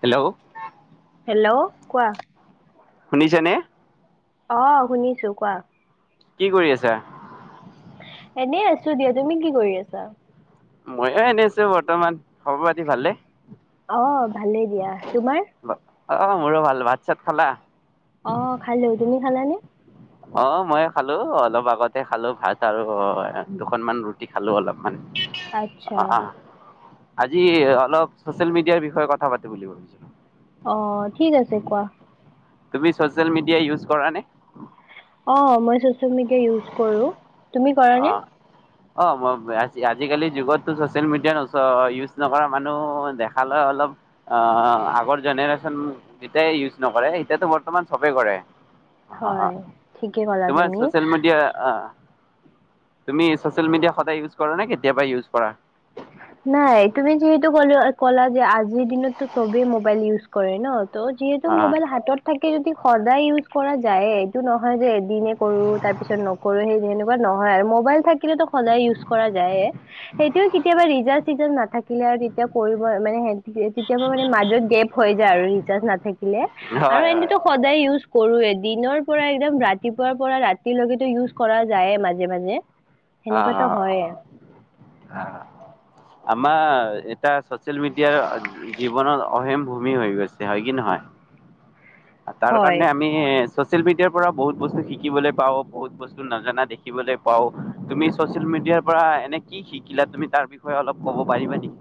Hello. Hello, কোৱা? শুনিছেনে? অ, শুনিছো কোৱা? কি কৰি আছা? এনেই আছো দিয়া, তুমি কি কৰি আছা? মইও এনে আছো বৰ্তমান। খবৰ পাতি ভালে নে? অ ভালেই দিয়া, তোমাৰ? অ মোৰো ভাল। ভাত-চাত খালা? অ খালো। তুমি খালা নে? অ মই খালো অলপ আগতে খালো ভাত আৰু অ দুখনমান ৰু টি খালো অলপমান আচ্ছা অ আহ আজি অলপ ছ'চিয়েল মিডিয়াৰ বিষয়ে কথা পাতে বুলি ভাবিছিলোঁ। অ ঠিক আছে কোৱা। তুমি ছ'চিয়েল মিডিয়া ইউজ কৰা নে? অ মই ছ'চিয়েল মিডিয়া ইউজ কৰো। তুমি কৰা নে অ। অ মই আজিকালি যুগতো ছ'চিয়েল মিডিয়া ইউজ নকৰা মানুহ দেখালয় অলপ অ আগৰ জেনেৰেশ্যন যেতিয়াই ইউজ নকৰে এতিয়াটো বৰ্তমান চবে কৰে। অ হয় ঠিকে ক'লা তোমাৰ তুমি ছ'চিয়েল মিডিয়া অ তুমি ছ'চিয়েল মিডিয়া সদায় ইউজ কৰা নে কেতিয়াবা ইউজ কৰা? নাই, তুমি যিহেতু ক কলা যে আজিৰ দিনতো চবেই মোবাইল ইউজ কৰে ন? ত' যিহেতু মোবাইল অ' হাতত থাকে যদি সদায় ইউজ কৰা যায়, এইটো নহয় যে এদিনে কৰো তাৰ পিছত ন ৰো সেনেকুৱা নহয় আৰু মোবাইল থাকিলেতো সদায় ইউজ কৰা যায়ে, সেইটোয়ে কে কেতিয়াবা ৰিচাৰ্জ-থিচাৰ্জ নাথাকিলে আৰু তেতিয়া কৰিব মানে তেতিয়াবা মানে মাজত গেপ হৈ যায় আৰু ৰিচাৰ্জ না থাকিলে হয় আৰু হয় এনেতো সদায় ইউজ কৰোয়ে। দিনৰ পৰা একদম ৰাতিপুৱাৰ পৰা ৰাতিৰলৈকেতো ইউজ কৰা যায়ে মাজে মাজে। অ সেনেকুৱাতো হয়ে অ। আমাৰ এটা ছ'চিয়েল মিডিয়াৰ জীৱনৰ অহিম ভূমি হৈ গৈছে, হয় কি নহয়? তাৰ হয় কাৰণে আমি এ ছ'চিয়েল মিডিয়াৰ পৰা বহুত বস্তু শিকিবলৈ পাওঁ, বহুত বস্তু নাজানা দেখিবলৈ পাওঁ তুমি ছচিয়েল মিডিয়াৰ পৰা এনে কি শিকিলা তুমি তাৰ বিষয়ে অলপ ক'ব পাৰিবা নেকি?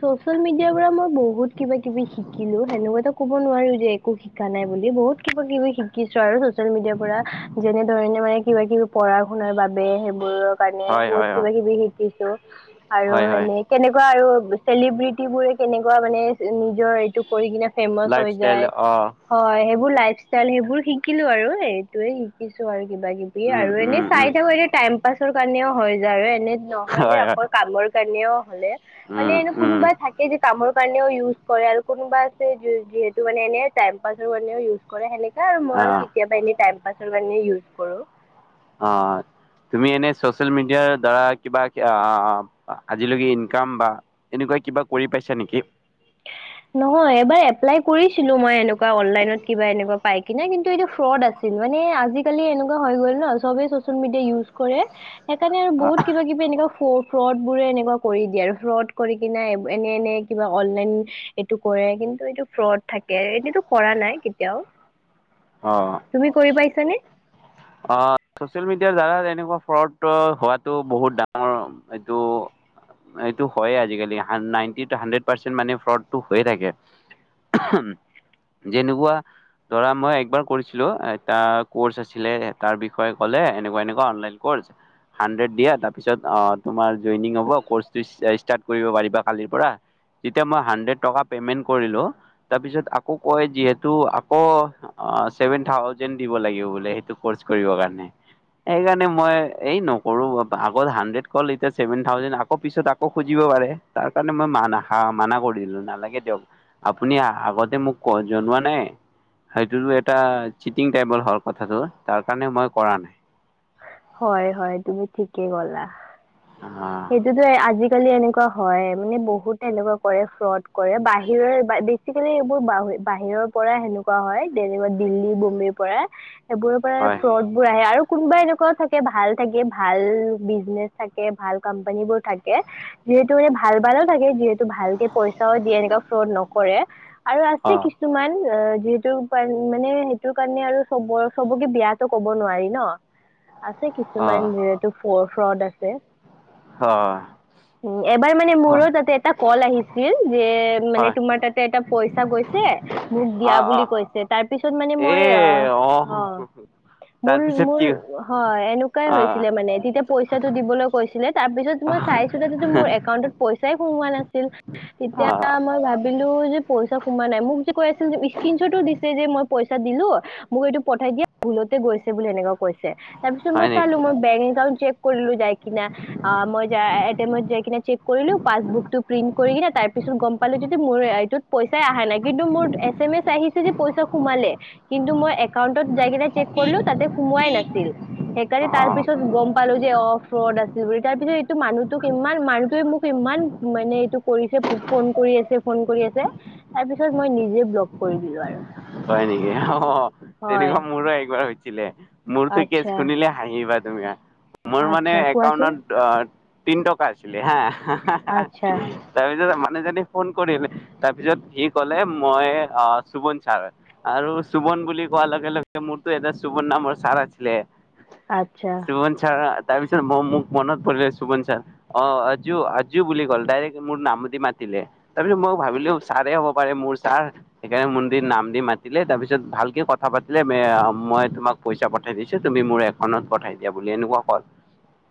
চচিয়েল মিডিয়াৰ পৰা মই বহুত কিবা কিবি শিকিলো। সেনেকুৱা এ ক'ব নোৱাৰো যে একো শিকা নাই বুলি। বহুত কিবা কিবি শিকিছো আৰু চচিয়েল মিডিয়াৰ পৰা। যেনে ধৰণে মানে কিবা কিবি পঢ়া শুনাৰ বাবে সেইবোৰৰ কাৰণে হয় বহুত হয় হয় কিবা কিবি শিকিছো। আৰু হয় হয় এনে কেনেকুৱা আৰু চেলিব্ৰিটিবোৰে কেনেকুৱা মানে নিজৰ এইটো কৰি কিনে ফেমাচ লাইফ হৈ ষ্টাইল যায়। অ' হয় সেইবোৰ লাইফ ষ্টাইল সেইবোৰ শিকিলোঁ আৰু এইটোৱে শিকিছো আৰু কিবা কিবি উম আৰু এনে উম চাই উম থাকো এতিয়া টাইম পাছৰ কাৰণেও হৈ যায় আৰু এনে নহয় যে হয় হয় আকৌ কামৰ কাৰনিয়ও হ'লে মানে উম এনে উম। কোনোবা থাকে যে কামৰ কাৰণেও ইউজ কৰে আৰু কোনোবা আছে যিহেতু মানে এনে টাইম পাছৰ কাৰণেও ইউজ কৰে সেনেকা আৰু মইও অ' কেতিয়াবা এনে টাইম পাছৰ মানে ইউজ কৰোঁ। অ' তুমি এনে ছ'চিয়েল মিডিয়াৰ দ্বাৰা কিবা এ আজিলৈকে ইনকাম বা এনেকুৱা কিবা কৰি পাইছা নেকি? নহয় এবাৰ এপ্লাই কৰিছিলো মই এনেকুৱা অনলাইনত কিবা এনেকুৱা পাই কিনে কিন্তু এইটো ফ্ৰড আছিল। মানে আজিকালি এনেকুৱা হৈ গ'ল ন চবেই চচিয়েল মিডিয়া ইউজ কৰে সেইকাৰণে আৰু অ', বহুত কিবা কিবি এনেকে ফ্ৰড বোৰে এনেকুৱা কৰি দিয়ে আৰু ফ্ৰড কৰি কিনে এনে এনে কিবা অনলাইন এইটো কৰে কিন্তু এইটো ফ্ৰড থাকে এনেইটো কৰা নাই কেতিয়াওঁ। তুমি কৰি পাইছা নে। অ' চচিয়েল মিডিয়াৰ দ্বাৰা এনেকুৱা ফ্ৰড হোৱাতো বহুত ডাঙৰ। এইটো এইটো হয়ে আজিকালি নাইনটিত হাড্ৰেড পাৰ্চেন্ট মানে ফ্ৰড টো হৈ থাকে। যেনেকুৱা ধৰা মই এবাৰ কৰিছিলোঁ, এটা কৰ্চ আছিলে তাৰ বিষয়ে কলে এনেকুৱা এনেকুৱা অনলাইন কৰ্চ হাণ্ড্ৰেড দিয়া তাৰপিছত অহ তোমাৰ জইনিং হ'ব। কৰ্চটো ষ্টাৰ্ট কৰিব পাৰিবা কালিৰ পৰা। এতিয়া মই হান্দেড টকা পেমেন্ট কৰিছিলো তাৰপিছত আকৌ কয় যিহেতু আকৌ' অ' ছেভেন থাউজেণ্ড দিব লাগিব বোলে সেইটো কৰ্চ কৰিব কাৰণে সেইকাৰণে মই এই নকৰোঁ আগত হান্দেড কল এতিয়া ছেভেন থাউজেণ্ড আকৌ পিছত, আকৌ খুজিব পাৰে তাৰ কাৰণে মই মানা মানা কৰি দিলোঁ নালাগে দিয়ক আপুনি আগতে মোক ক জনোৱা নাই। সেইটো এটা চিটিং টাইপৰ হ'ল কথাটো তাৰ কাৰণে মই কৰা নাই। হয় হয় তুমি ঠিকে ক'লা। অহ যিটোৱে আজিকালি এনেকুৱা হয় মানে বহুতে এনেকুৱা কৰে ফ্ৰড কৰে বাহিৰৰ [unintelligible] আজিকালি এইবোৰ বাহ বাহিৰৰ পৰা সেনেকুৱা হয় যেনেকুৱা দিল্লী বোম্বেইৰ পৰা সেইবোৰৰ পৰা হয় ফ্ৰড বোৰ আহে আৰু কোনোবাই এনেকুৱা থাকে ভাল থাকে ভাল বিজনেছ থাকে ভাল কোম্পানীবোৰ থাকে। যিহেতু সেই ভাল ভালো থাকে যিহে তু ভালকে পইচাও দিয়ে এনেকুৱা ফ্ৰদ নকৰে আৰু আছে কিছু অ' কিছুমান অ' যিহেতু যিহেতু মানে সেইটোৰ কাৰণে আৰু চব চবকে বেয়াটো কব নোৱাৰি ন। আছে অ' কিছুমান যিহেতু ফ্ৰ ফ্ৰড আছে। হয় উম এবাৰ মানে মোৰো তাতে এটা কল আহিছিল যে মানে হয় তোমাৰ তাতে এটা পইচা গৈছে মোক দিয়া হয় অ' অ' বুলি কৈছে তাৰ পিছত মানে এ মই আহ অ মোৰ তাৰপিছত মোৰ কি হয় এনেকুৱাই অ' হৈছিলে মানে তেতিয়া পইচাটো দিবলৈ কৈছিলে। তাৰ পিছত অ' মই চাইছিলো তাতেটো মোৰ একাউন্টত পইচাই সোমোৱা নাছিল। তেতিয়া মই ভাব ভাবিলো যে পইচা সোমা নাই মোক যে কৈ আছিল যে স্কনশ্বতো দিছে যে মই পইচা দিলো। মোক এইটো পঠাই দিয়া ভুলতে গৈছে বুলি এনেকুৱা কৈছে। তাৰ পিছত হয় মই নেকি চালো, বেংক একাউণ্ট চেক কৰিলো যায় কিনা। আহ মই যে যাই এ টি এমে অত চেক কৰিলো পাছবুক টো প্ৰিন্ট কৰি কিনে তাৰ পিছত গম পালো যদি মোৰ এইটোত পইচাই অহা নাই কিন্তু মোৰ এ এম এছ আহি যে পইচা সোমালে, কিন্তু মই একাউণ্টত যাই কিনে চেক‌ কৰিলো তাত সোমোৱাই নাছিল। সেইকাৰণে তাৰ অ' পিছত গম পালো যে অ ফ্ৰড আছিল বুলি তাৰ পিছত এইটো মানুহটোক ইমান মানুহটোৱে মোক ইমান? মানে এইটো কৰিছে ফোন কৰি আছে ফোন কৰি আছে তাৰ পিছত মই নিজে ব্লগ কৰি দিলো আৰু। হয় নেকি অ হয় তেনেকুৱা মোৰো একবাৰ হৈছিলে মোৰতো কেছ আচ্ছা শুনিলে? হহিবা তুমি, মোৰ মানে আচ্ছা কোৱাচোন একাউণ্টত? আহ তিনি টকা আছিলে হা। আচ্ছা তাৰপিছত মানুহজনী ফোন কৰিলে, তাৰপিছত সি কলে মই অ সুবন ছাৰ। আৰু সুবন বুলি কোৱাৰ লগে লগে, মোৰতো এটা সুবন নামৰ ছাৰ আছিলে। আচ্ছা শুভন চাৰ তাৰপিছত মোক মনত পৰিলে শুভন চাৰ। অ অজু ক'ল ডাইৰেক্ট মোৰ নামদি মাতিলে। তাৰপিছত মই ভাবিলো ছাৰেই হ'ব পাৰে মোৰ ছাৰ সেইকাৰণে মন্দিৰ নাম, মাতিলে তাৰপিছত ভালকে কথা পাতিলে মই তোমাক পইচা পঠাই দিছো তুমি মোৰ, ফনত পঠাই দিয়া বুলি এনেকুৱা কল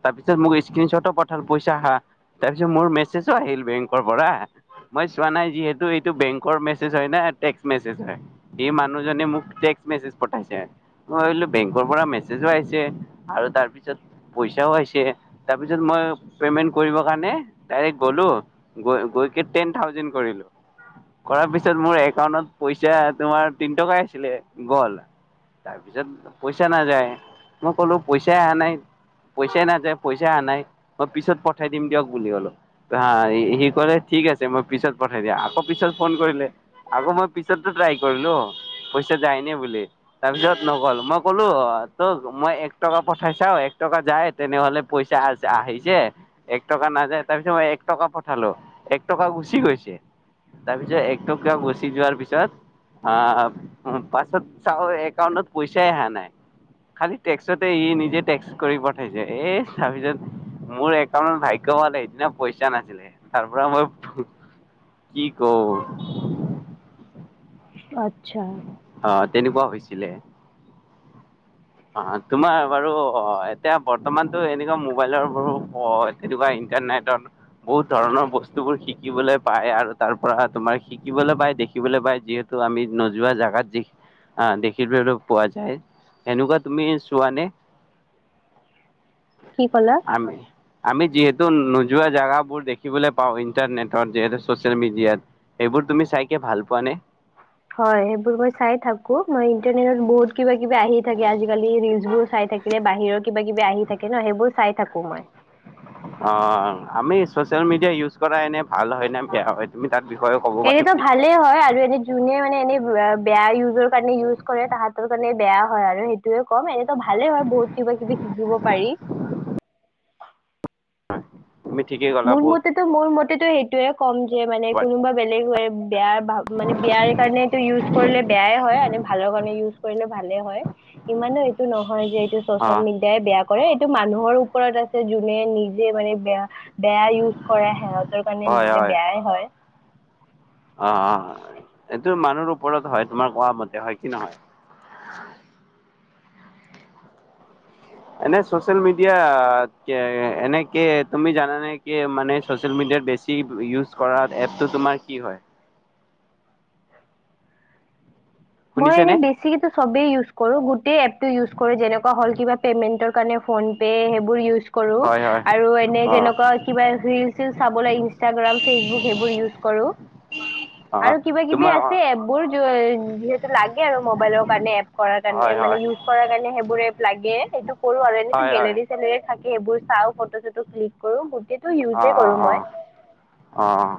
তাৰ পিছত মোক স্ক্ৰনশ্বতো পঠাল পইচা আহা। তাৰ পিছত মোৰ মেছেজো আহিল বেংকৰ পৰা। মই চোৱা নাই যিহেতু এইটো বেংকৰ মেছেজ হয় নে টেক্স মেচেজ হয়। এই মানুহ‌ জনে মোক টেক্স মেছেজ পঠাইছে। মই ভাবিলোঁ বেংকৰ পৰা মেছেজো আহিছে আৰু তাৰ পিছত, পইচাও আহছে তাৰপিছত মই পেমেন্ট কৰিবৰ কাৰণে ডাইৰেক্ট গলো। গৈকে টেন থাউজেড কৰিলো কৰাৰ পিছত মোৰ একাউন্টত পইচা, তোমাৰ তিনি টকাই আছিলে গল। তাৰপিছত পইচা নাযায় মই কলো পইচাই অহা নাই। পইচাই নাযায় পইচা অহা নাই মই পিছত পঠাই দিম দিয়ক বুলি ক'লো। হা সি কলে ঠিক আছে মই পিছত পঠাই দিয়া আকৌ পিছত ফোন কৰিলে। আকৌ মই পিছতো ট্ৰাই কৰিলো পইচা যায়নে বুলি। তাৰ পিছত নগল মই কলো তোক মই এক টকা পঠাই চাও এক টকা যায়, তেনেহলে পইচা আহিছে। এক টকা নাযায় তাৰ পিছত মই এক টকা পঠালো এক টকা গুচি গৈছে। তাৰ পিছত একটুক গুচি যোৱাৰ পিছত। অ পাছত চাও একাউণ্টত পইচাই অহা নাই। খালি টেক্সতে ই নিজে টেক্স কৰি পঠাইছে এই চাবিজন। মোৰ একাউণ্টত ভাগ্য ভাল সেইদিনা পইচা নাছিলে তাৰ পৰা মই। কি কও। আচ্ছা, অ তেনেকুৱা হৈছিলে। অ তোমাৰ বাৰু এতিয়া বৰ্তমানতো এনেকুৱা মোবাইলৰ বাৰু এতিৱয়া ইণ্টৰনেট, বহুত ধৰণৰ বস্তুবোৰ শিকিবলৈ পায় আৰু তাৰ পৰা তোমাৰ শিকিবলৈ পায় দেখিবলৈ পায় যিহেতু। তো আমি নোযোৱা জেগাত যি দেখিব পোৱা যায়। এনেকুৱা তুমি চোৱানে। কি কলা। আ, আমি যিহেতু নোযোৱা জেগাবোৰ দেখিবলৈ পাওঁ ইণ্টাৰনেটত যিহেতু চচিয়েল মিডিয়াত। এইবোৰ তুমি চাইকে ভাল পোৱা নে। হয় সেইবোৰ মই চাই থাকো মই ইন্টাৰনেটত বহুত কিবা কিবি আহি থাকে আজিকালি ৰিলচ বোৰো চাই থাকে। সে বাহিৰৰ কিবা কিবি আহি থাকে ন সেইবোৰ চাই থাকো মই। অ আমি চচিয়েল মিডিয়া ইউজ কৰা এনে ভাল হয়নে বেয়া হয়। আমি তাৰ বিষয়ে কব। এনেতো পাৰিবা নেকি ভালেই হয় আৰু এনে। যোনে মানে এনে বেয়া ইউজৰ কাৰণে ইউজ কৰে তাহাঁতৰ কাৰণে বেয়া হয় আৰু সেই। সেইয়ে ক'ম এনেতো ভালেই হয় বহুত কিবা কিবি শিকিব পাৰি। হয়। মোৰ মতেটো মোৰ মতেটো সেইটোয়ে কম যে মানে কোনোবা বেলেগ হৈ বেয়া ভাব। মানে বিয়াৰ কাৰণেটো ইউজ কৰিলে বেয়াই হয় ভালৰ কাৰণে ইউজ কৰিলে ভালে হয়। ইমানো এইটো নহয় যে এইটো অ চচিয়েল মিডিয়া। দে বেয়া কৰে এইটো মানুহৰ ওপৰত আছে যোনে নিজে মানে বেয়া। বেয়া ইউজ কৰে সিহঁতৰ কাৰণে হয় নিজে বেয়াই হয়ঁ। অঁ অঁ এইটো মানুহ ওপৰত হয়ঁ তোমাৰ কোৱা মতে হয়ঁ কি নহয়। এনে ছচিয়েল কে মিডিয়া এনেকে তুমি জানানে কে মানে চচিয়েল মিডিয়াত বেছি। টিপ ইউজ কৰা এপটো তোমাৰ কি হয়? মই শুনিছেনে এনেই বেছ - আজি কিতো সবেই ইউজ কৰো গোটেই এপটো ইউজ কৰোঁ যেনেকুৱ হ'ল কিবা পে'মেন্টৰ কাৰণে ফোন পে' সেইবোৰ ইউজ কৰো হয় হয় আৰু এনে অ যেনেকুৱা কিবা এভিফিল চাবলৈ ইনষ্টাগ্ৰাম ফেচবুক সেইবোৰ ইউজ কৰো। টিট- আৰু কিবা কিবি আছে এবোৰ- কি কয় যিহেতু লাগে আৰু মোবাইলৰ কাৰণে এপ কৰাৰ হয় কাৰণে মানে হয় ইউজ। কৰা কাৰণে সেইবোৰে এফ লাগে সেইটো কৰো আৰু এনে হয় হয় গেলেৰী। গেলাৰী থাকে সেইবোৰ চাও ফটো চটো ক্লিক কৰো। গোটেইটো অঁ ইউজে অঁ কৰো অঁ মই অঁ অঁ।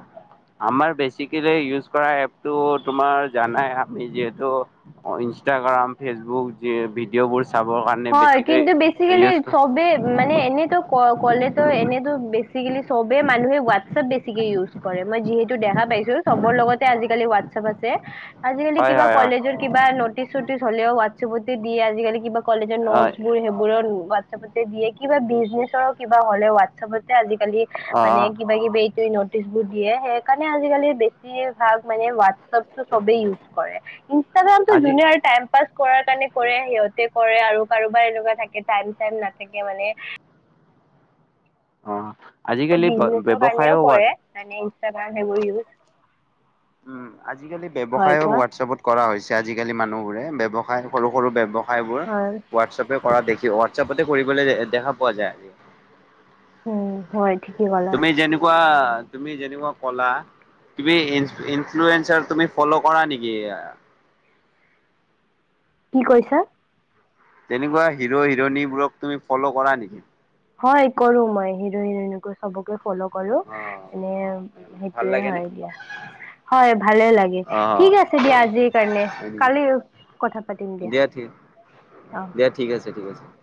আমাৰ বেচিকেলি ইউজ কৰা এপটো তোমাৰ জানাই আমি যিহেতু- অঁ ইনষ্টাগ্ৰাম ফেচবুক যি ভিডিঅ' বোৰ। চাবৰ কাৰণে। হয়ঁ বেছিকৈ কিন্তু বেচিকালি ইউজ চবে। মানে এনেতো ক'লেতো এনেতো বেচিকেলি সবে মানুহে হোৱাটছপ বেছিকে ইউজ। কৰে মই যিহেতু দেখা পাইছো চবৰ লগতে আজিকালি হোৱাটছপ আছে। আজিকালি হয় কিবা হয় হয় কলেজৰ কিবা ন'টিচ চটিচ হ'লেও ওৱাতছপতে দিয়ে আজিকালি কিবা- কলেজৰ নোটছ হয় বোৰ সেইবোৰৰ ওৱা- হোৱাটছআপতে দিয়ে কিবা বিজনেছৰ কিবা হ'লে হোৱাটছএপতে আজিকালি- অ মানে কিবা কিবি এইটো নোট- দিয়ে সকাৰণে আজালি বেছিভাগ মানে হোৱাটপটো চবে ইজ কৰে। ইনষ্টাগামটো আজি যোনে টাইম পাছ কৰাৰ কাৰণে কৰে সিহঁতে। কৰে আৰু কাৰোবাৰ এনেকুৱা থাকে টাইম চাইম নাথাকে মানে। অঁ আজি। বিজনেছৰ কাৰণেও কৰে মানে ইনষ্টাগ্ৰাম সেইবোৰ ইউজ। উমঁ আজিকালি হয় ব্যয়ৱসায় কোৱা হোৱাটছএপত কৰা হৈছে আজিকালি মানুহবোৰে ব্যৱসায় সৰু সৰু ব ব্যয়ৱসায়। হয় বোৰ হোৱাটছএপে কৰা দেখি হোৱাটছআপতে কৰিবলৈ দেখা পোৱা যায়। উমঁ হয় ঠিক। তুমি যেনেকুৱা তুমি যেনেকুৱা ক'লা। তুমি ইনফ্লুয়েচাৰ তুমি ফলৌ কৰা নেকি? কি কৈছা? তেনেকুৱা হিৰ' হিৰণীবোৰক তুমি ফ'লৌ' কৰা নেকি? হঁয় কৰো মই, হিৰ হিৰনীক। চবকে ফ'লৌ' কৰো, অ এনে ভাল সেইটোয়ে লাগেনে হয় দিয়া। হয় ভালে লাগে, অ ঠিক আছে দিয়া, আজিৰ কাৰণে, কালি- কথা পাতিম দিয়া অঁ। দিয়া ঠিক আছে, ঠিক আছে।